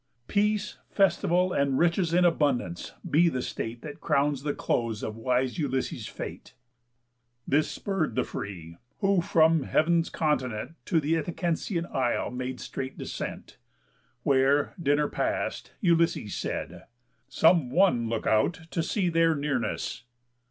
Peace, festival, And riches in abundance, be the state That crowns the close of wise Ulysses' Fate." This spurr'd the free, who from heav'n's continent To th' Ithacensian isle made straight descent. Where, dinner past, Ulysses said: "Some one Look out to see their nearness."